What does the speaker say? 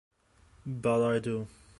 But I do.